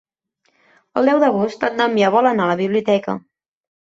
El deu d'agost en Damià vol anar a la biblioteca.